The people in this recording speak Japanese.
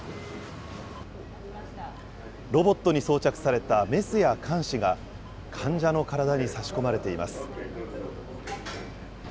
ロボットに装着されたメスやかんしが、患者の体に差し込まれています。